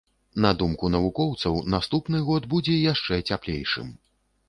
На думку навукоўцаў, наступны год будзе яшчэ цяплейшым.